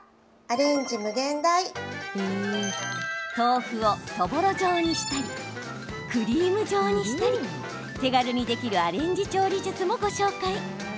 豆腐をそぼろ状にしたりクリーム状にしたり手軽にできるアレンジ調理術もご紹介。